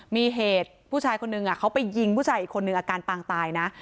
มีเหตุผู้ชายคนหนึ่งเขาไปยิงผู้ชายอีกคนนึงอาการปางตายนะ